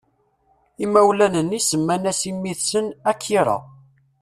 Imawlan-nni semma-as i mmi-tsen Akira.